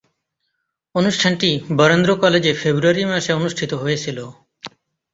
অনুষ্ঠানটি বরেন্দ্র কলেজে ফেব্রুয়ারি মাসে অনুষ্ঠিত হয়েছিলো।